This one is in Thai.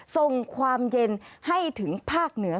ส่งความเย็นให้ถึงภาคเหนือ